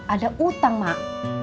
ada utang mak